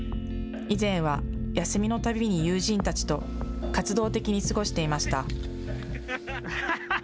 以前は休みのたびに友人たちと活動的に過ごしていました。